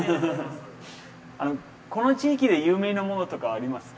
この地域で有名なものとかありますか？